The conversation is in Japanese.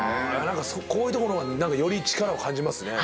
こういうところはより力を感じますね。